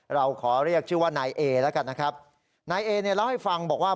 เราขอเรียกชื่อว่านายเอแล้วกันนะครับนายเอเนี่ยเล่าให้ฟังบอกว่า